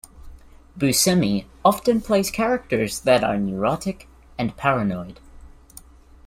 Buscemi often plays characters that are neurotic and paranoid.